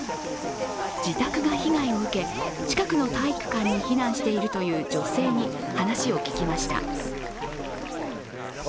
自宅が被害を受け、近くの体育館に避難しているという女性に話を聞きました。